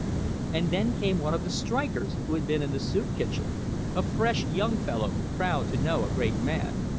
And then came one of the strikers who had been in the soup kitchen a fresh young fellow, proud to know a great man.